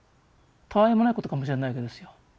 たあいもないことかもしれないわけですよ。